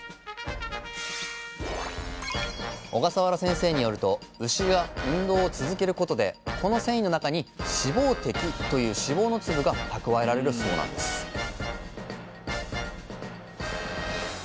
小笠原先生によると牛が運動を続けることでこの線維の中に「脂肪滴」という脂肪の粒がたくわえられるそうなんですえ！